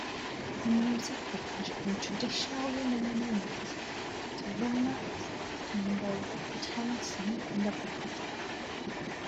Her music ranged from traditional Romanian music to romance, tango, chanson and operetta.